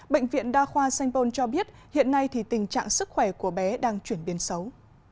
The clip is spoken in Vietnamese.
bệnh viện đa khoa sanh pôn cho biết hiện nay tình trạng sức khỏe của bé đang chuyển biến xấu